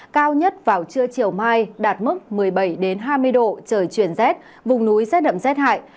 cao nhất vào trưa chiều mai đạt mức một mươi bảy hai mươi độ trời chuyển rét vùng núi rét đậm rét hại